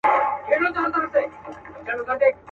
اوس مو د زلمو مستي له وخته سره ژاړي.